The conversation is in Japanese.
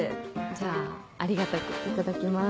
じゃあありがたく頂きます。